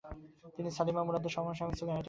তিনি সালিমা মুরাদের সমসাময়িক ছিলেন এটাই সঠিক মত।